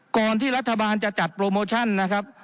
ก่อนที่รัฐบาลจะจัดโปรโมชั่นนะครับ